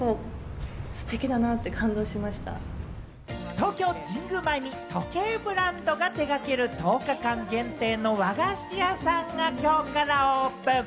東京・神宮前に時計ブランドが手掛ける１０日間限定の和菓子屋さんがきょうからオープン。